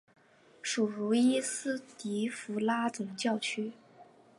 属茹伊斯迪福拉总教区。